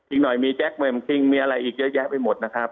อีกหน่อยมีแจ๊กเวมซ์มีอะไรอีกเยอะแยะไปหมด